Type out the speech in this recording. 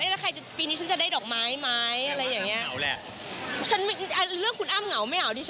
แล้วใครจะปีนี้ฉันจะได้ดอกไม้ไหมอะไรอย่างเงี้แหละ